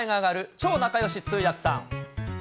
超仲よし通訳さん。